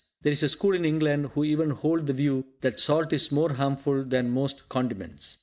There is a school in England who even hold the view that salt is more harmful than most condiments.